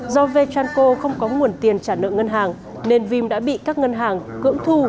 do vetranco không có nguồn tiền trả nợ ngân hàng nên vim đã bị các ngân hàng cưỡng thu